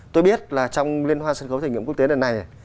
tôi biết là trong liên hoan sân khấu thử nghiệm quốc tế lần này